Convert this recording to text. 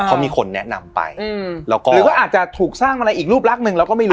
เพราะมีคนแนะนำไปแล้วก็อาจจะถูกสร้างอะไรอีกรูปลักษณ์หนึ่งเราก็ไม่รู้